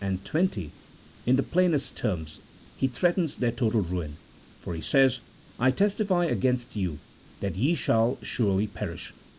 19, 20, in the plainest terms He threatens their total ruin, for He says, " I testify against you that ye shall surely perish.